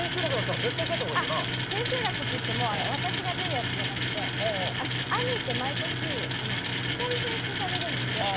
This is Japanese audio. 千秋楽といっても私が出るやつじゃなくて「アニー」って毎年２人選出されるんですよ。